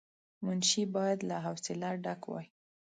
منشي باید له حوصله ډک وای.